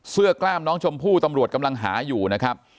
กล้ามน้องชมพู่ตำรวจกำลังหาอยู่นะครับ